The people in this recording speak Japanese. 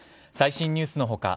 最新ニュースの他